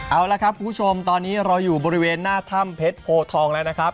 เอาละครับคุณผู้ชมตอนนี้เราอยู่บริเวณหน้าถ้ำเพชรโพทองแล้วนะครับ